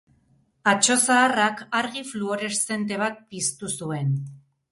Atso zaharrak argi fluoreszente bat piztu zuen.